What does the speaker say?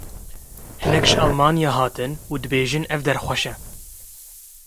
Hinek ji Almanyayê hatine û dibêjin ev der xweş e.